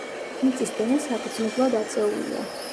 მიწის დონე საგრძნობლად აწეულია.